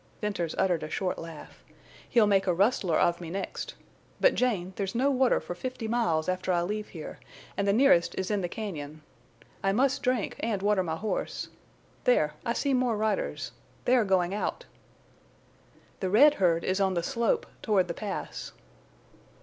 Venters uttered a short laugh. "He'll make a rustler of me next. But, Jane, there's no water for fifty miles after I leave here, and the nearest is in the cañon. I must drink and water my horse. There! I see more riders. They are going out." "The red herd is on the slope, toward the Pass."